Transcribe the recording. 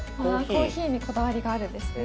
コーヒーにこだわりがあるんですね。